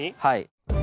はい。